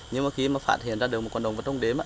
nhưng mà khi mà phát hiện ra được một con đồng vật trong đếm